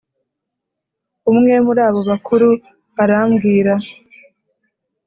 Umwe muri ba bakuru arambwira